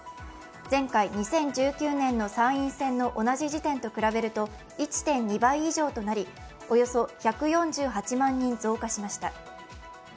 前回２０１９年の参院選の同じ時点と比べると１．２倍以上となり、およそ１４８万人増加しました。